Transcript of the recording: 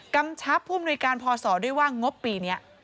กำชับผู้มนุยการพศด้วยว่างบปีนี้